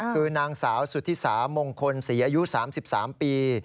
คือนางสาวสุธิสามงคลศรีอายุ๓๓ปี